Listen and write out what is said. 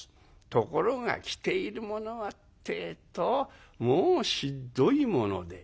ところが着ているものはってえともうひっどいもので。